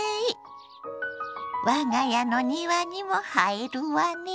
我が家の庭にも映えるわね。